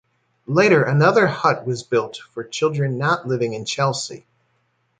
Later another hut was built for children not living in Chelsea.